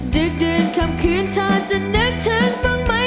ดึกดื่นคำคืนเธอจะนึกถึงบ้างไหม